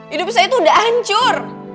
hidup saya itu udah hancur